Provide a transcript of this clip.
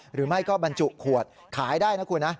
หรือไม่ก็บรรจุขวดขายได้นะคุณนะ